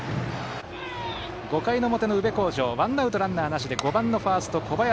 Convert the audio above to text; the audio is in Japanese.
５回の表、宇部鴻城はワンアウトランナーなしで５番、ファースト小林。